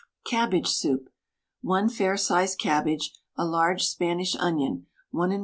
CABBAGE SOUP. 1 fair sized cabbage, a large Spanish onion, 1 1/2 oz.